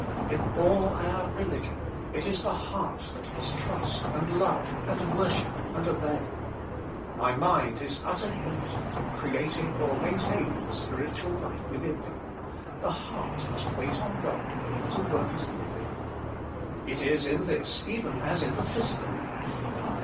In all our religion it is the heart that must trust and love and worship and obey. My mind is utterly impotent in creating or maintaining the spiritual life within me : the heart must wait on God for Him to work it in me. It is in this even as in the physical life.